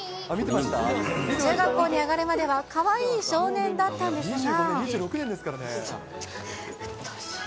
中学校に上がるまでは、かわいい少年だったんですが。